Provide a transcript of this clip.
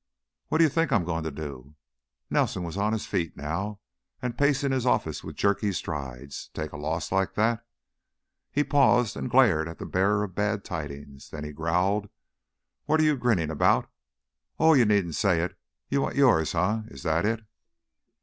"What do you think I'm going to do?" Nelson was on his feet now and pacing his office with jerky strides. "Take a loss like that?" He paused and glared at the bearer of bad tidings, then growled: "What are you grinning about? Oh, you needn't say it. You want yours, eh? Is that it?"